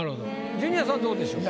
ジュニアさんどうでしょう？